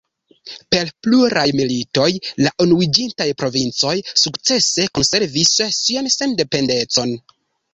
Per pluraj militoj, la Unuiĝintaj Provincoj sukcese konservis sian sendependecon.